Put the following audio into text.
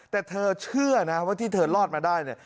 แต่เธอเชื่อนะฮะว่าที่เธอรอดมาได้